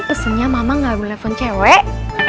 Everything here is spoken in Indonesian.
pesennya mama gak mau telepon cewek